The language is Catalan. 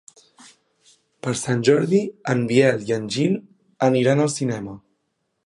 Per Sant Jordi en Biel i en Gil aniran al cinema.